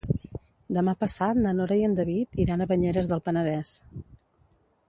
Demà passat na Nora i en David iran a Banyeres del Penedès.